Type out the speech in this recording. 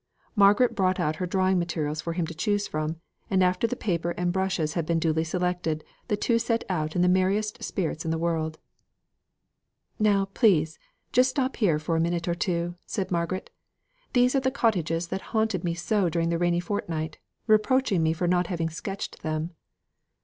Margaret brought out her drawing materials for him to choose from; and after the paper and brushes had been duly selected, the two set out in the merriest spirits in the world. "Now, please, just stop here for a minute or two," said Margaret. "These are the cottages that haunted me so during the rainy fortnight, reproaching me for not having sketched them."